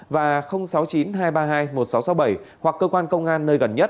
và sáu mươi chín hai trăm ba mươi hai một nghìn sáu trăm sáu mươi bảy hoặc cơ quan công an nơi gần nhất